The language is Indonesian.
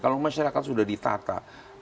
kalau masyarakat sudah ditata